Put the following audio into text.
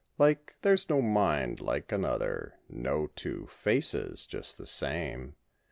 Like, there's no mind like another; no two faces just the same.